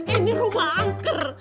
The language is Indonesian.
ini rumah angker